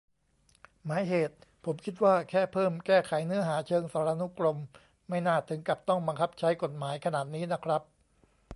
หมายเหตุ : ผมคิดว่าแค่เพิ่มแก้ไขเนื้อหาเชิงสารานุกรม ไม่น่าถึงกับต้องบังคับใช้กฎหมายขนาดนี้นะครับ